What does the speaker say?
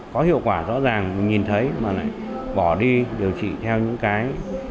có hiệu quả rõ ràng mình nhìn thấy mà lại bỏ đi điều trị theo những cái